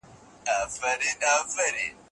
خدايه! نه مړ كېږم